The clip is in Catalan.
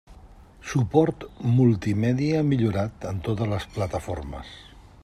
Suport multimèdia millorat en totes les plataformes.